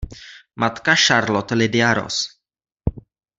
Matka Charlotte Lydia roz.